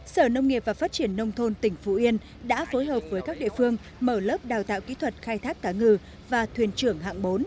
sở nông nghiệp và phát triển nông thôn tỉnh phú yên đã phối hợp với các địa phương mở lớp đào tạo kỹ thuật khai thác cá ngừ và thuyền trưởng hạng bốn